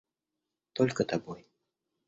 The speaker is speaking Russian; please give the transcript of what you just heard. Только тобой.